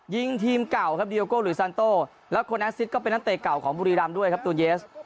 ยิงทีมเก่าครับเดียโก้หรือซานโต้แล้วคนแอสซิสก็เป็นนักเตะเก่าของบุรีรำด้วยครับตูนเยส